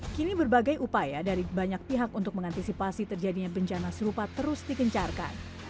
kini berbagai upaya dari banyak pihak untuk mengantisipasi terjadinya bencana serupa terus dikencarkan